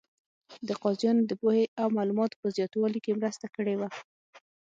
د قاضیانو د پوهې او معلوماتو په زیاتوالي کې مرسته کړې وه.